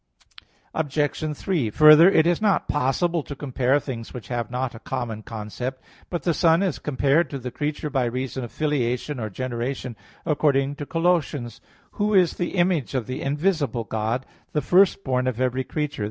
Obj. 3: Further, it is not possible to compare things which have not a common concept. But the Son is compared to the creature by reason of filiation or generation, according to Col. 1:15: "Who is the image of the invisible God, the first born of every creature."